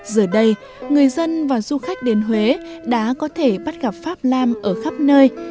giờ đây người dân và du khách đến huế đã có thể bắt gặp pháp nam ở khắp nơi